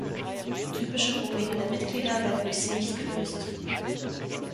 Typische Probleme der Mitglieder werden durch sie nicht gelöst.